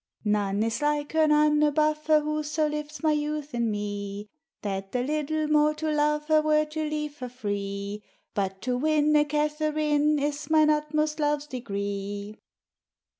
None is like her, none above her, Who so lifts my youth in me, That a little more to love her Were to leave her free! But to winne Katheryn, Is mine utmost love's degree.